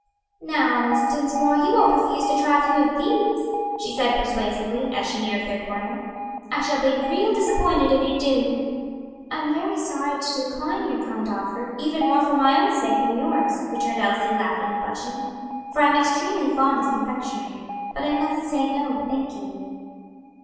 "Now, Miss Dinsmore, you won't refuse to try a few of these?" she said persuasively, as she neared their corner, "I shall be real disappointed if you do." "I am very sorry to decline your kind offer, even more for my own sake than yours," returned Elsie, laughing and blushing; "for I am extremely fond of confectionery; but I must say no, thank you."